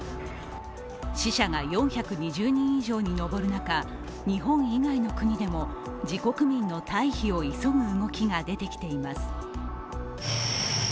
死者が４２０人以上に上る中、日本以外の国でも自国民の退避を急ぐ動きが出てきています。